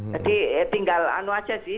jadi tinggal anu saja sih